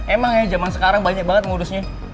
emang ya zaman sekarang banyak banget modusnya